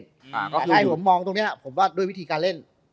คือให้ผมมองตรงนี้ผมว่าด้วยวิธีการเล่น